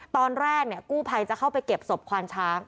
ตอนแรกกู้ภัยจะเข้าไปเก็บศพควานช้าง